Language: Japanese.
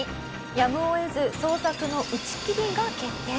やむを得ず捜索の打ち切りが決定。